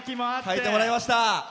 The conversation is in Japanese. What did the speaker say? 書いてもらいました。